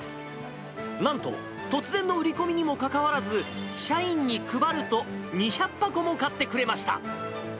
なんと、突然の売り込みにもかかわらず、社員に配ると、２００箱も買ってくれました。